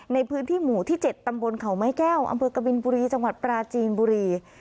ในพื้นที่หมู่ที่๗ตำบลเขาไม้แก้วอำเภอกบินบุรีจังหวัดปราจีนบุรี